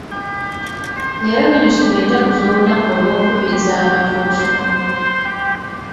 Leero minisitule ejaguza olunaku olw'okukubiriza abantu okusoma.